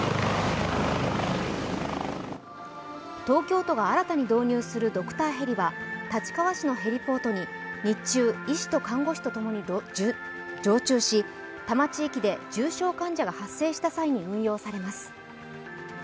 東京都が新たに導入するドクターヘリは立川市のヘリポートに日中、医師と看護師とともに常駐し多摩地域で重症患者が発生した際に利用されます。